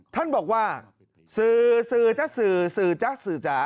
ท่านบอกว่าสื่อสื่อจ๊ะสื่อสื่อจ๊ะสื่อจ๋า